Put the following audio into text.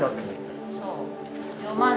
そう。